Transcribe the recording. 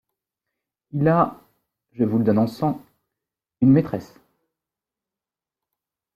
Il a... — Je vous le donne en cent! — Une maîtresse !